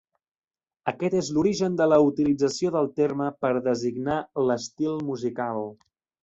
Aquest és l'origen de la utilització del terme per designar l'estil musical.